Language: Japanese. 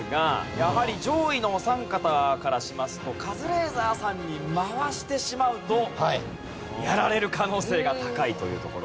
やはり上位のお三方からしますとカズレーザーさんに回してしまうとやられる可能性が高いというところ。